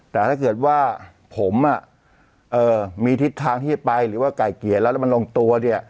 แต่ถ้าเกิดว่าผมมีทิศทางที่จะไปหรือว่าไก่เกลียดแล้วแล้วมันลงตัวเนี่ย